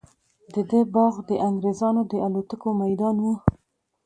د ده باغ د انګریزانو د الوتکو میدان وو.